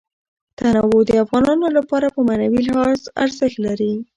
تنوع د افغانانو لپاره په معنوي لحاظ ارزښت لري.